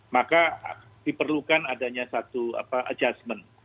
maka diperlukan adanya satu adjustment